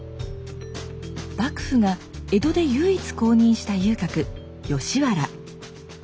幕府が江戸で唯一公認した遊郭吉原。